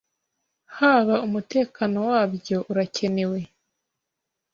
haba umutekano wabyo urakenewe